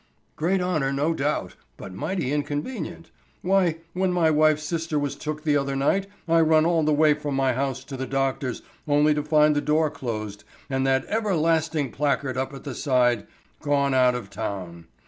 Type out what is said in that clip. "Great honor, no doubt, but mighty inconvenient. Why, when my wife's sister was took the other night I run all the way from my house to the doctor's only to find the door closed and that everlasting placard up at the side: 'Gone out of town.